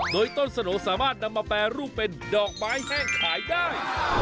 โดยต้นสโนสามารถนำมาแปรรูปเป็นดอกไม้แห้งขายได้